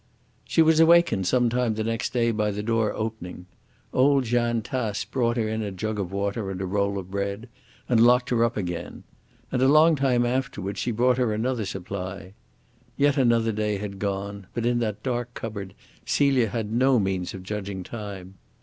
She was awakened some time the next day by the door opening. Old Jeanne Tace brought her in a jug of water and a roll of bread, and locked her up again. And a long time afterwards she brought her another supply. Yet another day had gone, but in that dark cupboard Celia had no means of judging time.